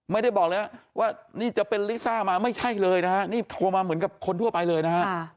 ไม่ได้บอกเลยว่านี่จะเป็นลิซ่ามาไม่ใช่เลยนะฮะนี่โทรมาเหมือนกับคนทั่วไปเลยนะฮะ